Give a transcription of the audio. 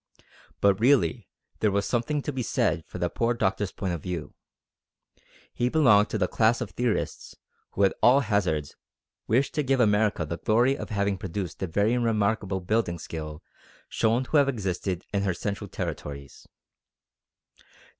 But really there was something to be said for the poor doctor's point of view. He belonged to the class of theorists who at all hazards wish to give America the glory of having produced the very remarkable building skill shown to have existed in her central territories.